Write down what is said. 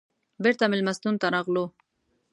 بېرته مېلمستون ته راغلو.